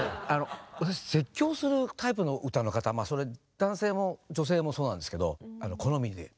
私絶叫するタイプの歌の方それ男性も女性もそうなんですけど好みなんです。